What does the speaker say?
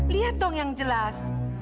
lihat dong yang jelas